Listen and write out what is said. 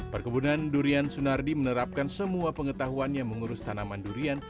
perkebunan durian sunardi menerapkan semua pengetahuannya mengurus tanaman durian